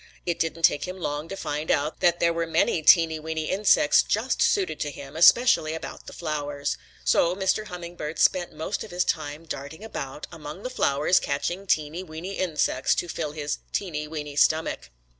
It didn't take him long to find out that there were many teeny, weeny insects just suited to him, especially about the flowers. So Mr. Hummingbird spent most of his time darting about among the flowers catching teeny, weeny insects to fill his teeny, weeny stomach.